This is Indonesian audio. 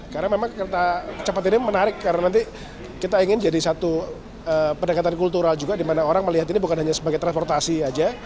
karena memang kereta cepat ini menarik karena nanti kita ingin jadi satu pendekatan kultural juga dimana orang melihat ini bukan hanya sebagai transportasi aja